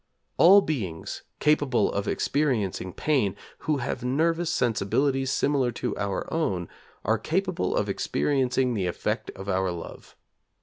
All beings capable of experiencing pain, who have nervous sensibilities similar to our own, are capable of experiencing the effect of our love.